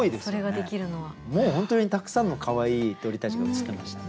もう本当にたくさんのかわいい鳥たちが映ってましたね。